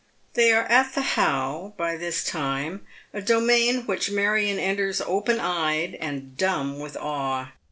They are at the How by this time, a domain which Marion enters open eyed and dumb with awe.